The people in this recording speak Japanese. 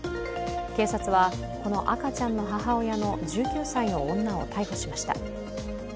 警察はこの赤ちゃんの母親の１９歳の女を逮捕しました。